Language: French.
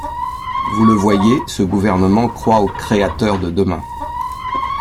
Vous le voyez, ce gouvernement croit aux créateurs de demain.